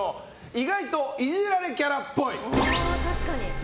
意外とイジられキャラっぽい。